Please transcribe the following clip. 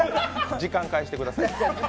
時間返してください。